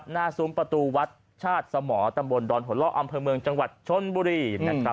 น่าสุมประตูวัดชาติสมตรตำบลดอนหล่ออำเภอเมืองจังหวัดชนบุรี